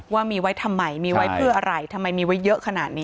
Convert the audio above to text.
ว่ามีไว้ทำไมมีไว้เพื่ออะไรทำไมมีไว้เยอะขนาดนี้